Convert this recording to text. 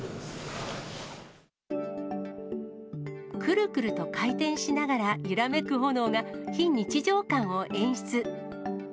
くるくると回転しながらゆらめく炎が、非日常感を演出。